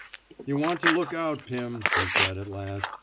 *^ Yuh want to look out, Pim," he said, at last.